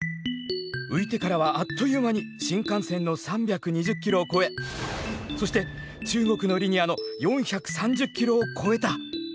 浮いてからはあっという間に新幹線の３２０キロを超えそして中国のリニアの４３０キロを超えた！